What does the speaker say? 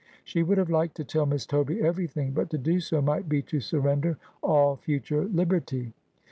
She would have liked to tell Miss Toby everything, but to do so might be to surrender all future liberty.